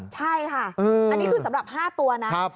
มันจะเหมือนกันใช่ค่ะอืมอันนี้คือสำหรับห้าตัวน่ะครับ